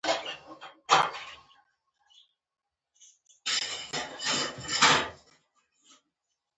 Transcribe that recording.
ښځه په بيړه له کوټې ووته.